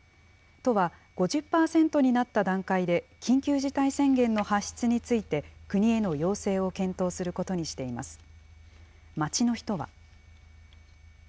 都は５０％になった段階で、緊急事態宣言の発出について、国への要請を検討することにしています。